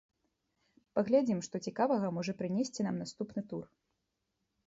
Паглядзім, што цікавага можа прынесці нам наступны тур.